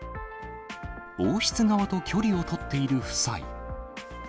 王室側と距離を取っている夫妻。